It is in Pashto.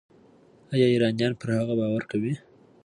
ایا ایرانیان پر هغه باور کوي؟